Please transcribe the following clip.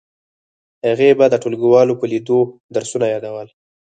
هغې به د ټولګیوالو په لیدو درسونه یادول